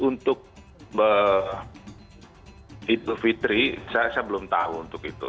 untuk idul fitri saya belum tahu untuk itu